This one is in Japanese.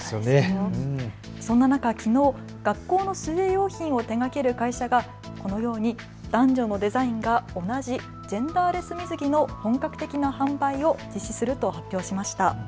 そんな中、きのう学校の水泳用品を手がける会社がこのように男女のデザインが同じジェンダーレス水着の本格的な販売を実施すると発表しました。